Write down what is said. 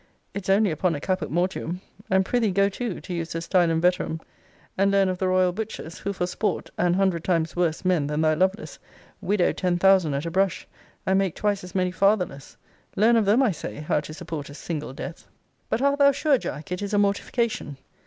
It's only upon a caput mortuum: and pr'ythee go to, to use the stylum veterum, and learn of the royal butchers; who, for sport, (an hundred times worse men than thy Lovelace,) widow ten thousand at a brush, and make twice as many fatherless learn of them, I say, how to support a single death. But art thou sure, Jack, it is a mortification?